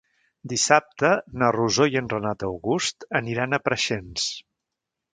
Dissabte na Rosó i en Renat August aniran a Preixens.